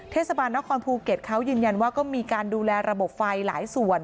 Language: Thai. เทศบาลนครภูเก็ตเขายืนยันว่าก็มีการดูแลระบบไฟหลายส่วน